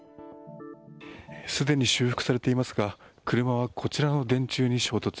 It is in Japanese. すでに修復されていますが車は、こちらの電柱に衝突。